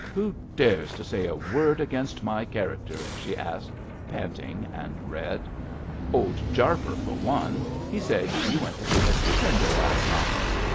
'Who dares to say a word against my character?' she asked, panting and red. 'Old Jarper, for one. He said you went to see Mr Pendle last night.'